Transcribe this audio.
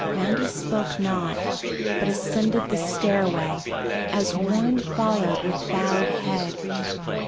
Mandy spoke not, but ascended the stairway, as Warren followed with bowed head.